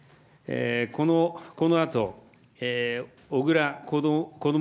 このあと、小倉こども